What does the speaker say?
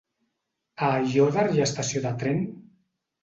A Aiòder hi ha estació de tren?